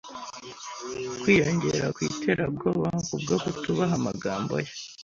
kwiyongera kwiterabwoba kubwo kutubaha amagambo ye.